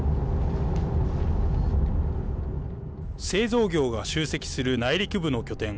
製造業が集積する内陸部の拠点。